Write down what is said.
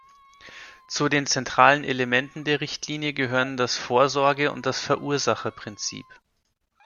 Zu den zentralen Elementen der Richtlinie gehören das Vorsorge- und das Verursacherprinzip.